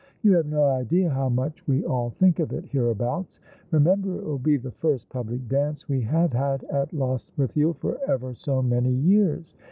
You have no idea how much we all think of it hereabouts. Eemember, it wall be the first public 48 All along ike River. dance We hate had at Lostwitliiel for ever so many years.